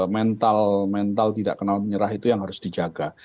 mental mental tidak kenal menyerah itu yang harus dijaga